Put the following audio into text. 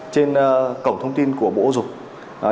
trên cổng thông tin của bộ học viện